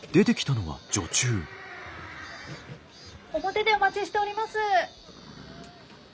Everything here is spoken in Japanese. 表でお待ちしております！